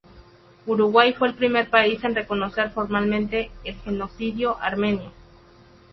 Uruguay fue el primer país en reconocer formalmente el Genocidio Armenio.